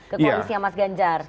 ke koalisnya mas ganjar